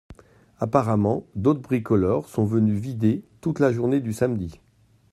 Apparemment, d’autres bricoleurs sont venus vider toute la journée du samedi